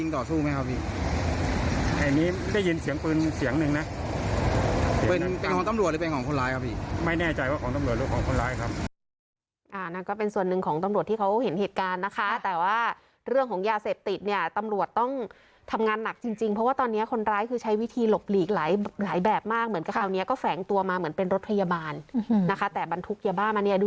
ตำรวจร่วงของคนร้ายครับ